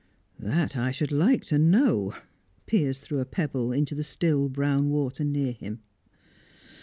"That I should like to know." Piers threw a pebble into the still, brown water near him.